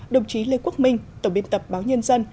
đồng chí lê quốc minh tổng biên tập báo nhân dân